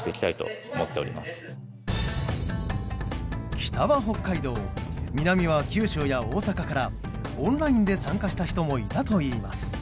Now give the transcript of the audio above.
北は北海道南は九州や大阪からオンラインで参加した人もいたといいます。